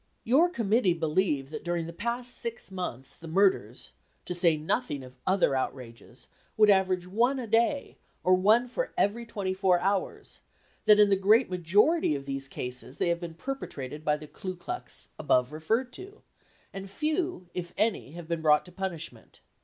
"Your committee believe that during the past six months, the murders to say nothing of other outrages would average one a day, or one for every twenty four hours; that in the great majority of these cases they have been perpetrated by the Ku Klux above referred to, and few, if any, have been brought to punishment.